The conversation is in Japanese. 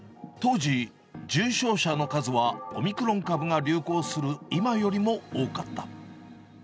当時、重症者の数はオミクロン株が流行する今よりも多かった。